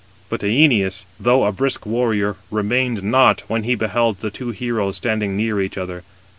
But Æneas, though a brisk warrior, remained not, when he beheld the two heroes standing near each other.